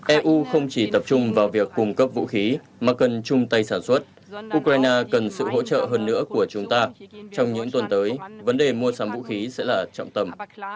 eu không chỉ tập trung vào việc cung cấp vũ khí mà cần chung tay sản xuất ukraine cần sự hỗ trợ hơn nữa của chúng ta trong những tuần tới vấn đề mua sắm vũ khí sẽ là trọng tâm